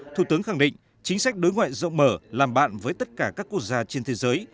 thủ tướng khẳng định chính sách đối ngoại rộng mở làm bạn với tất cả các quốc gia trên thế giới